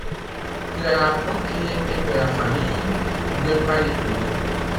Il est la propriété de la famille de Valicourt.